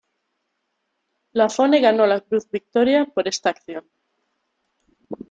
Lafone ganó la Cruz Victoria por esta acción.